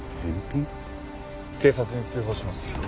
警察に通報します。